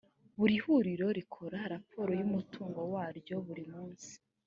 buri huriro rikora raporo y umutungo waryo burimunsi